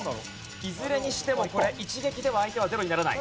いずれにしてもこれ一撃では相手はゼロにならない。